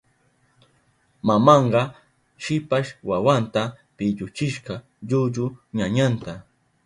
Mamanka shipas wawanta pilluchishka llullu ñañanta.